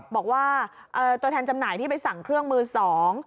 บอกว่าตัวแทนจำหน่ายที่ไปสั่งเครื่องมือสอง